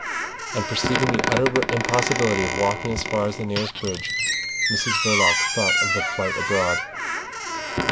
And perceiving the utter impossibility of walking as far as the nearest bridge, Mrs Verloc thought of a flight abroad.